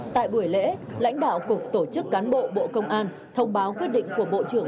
tại buổi lễ lãnh đạo cục tổ chức cán bộ bộ công an thông báo quyết định của bộ trưởng